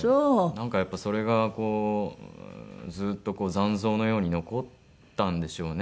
なんかやっぱそれがこうずっと残像のように残ったんでしょうね